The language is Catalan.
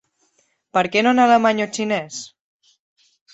Per què no en alemany o en xinès?